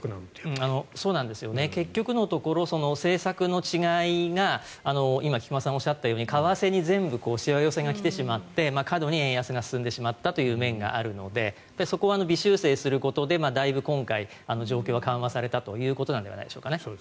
結局のところ政策の違いが今菊間さんがおっしゃったように為替に全部しわ寄せが来てしまって過度に円安が進んでしまったという面があるのでそこは微修正することでだいぶ今回状況が緩和されたんじゃないでしょうか。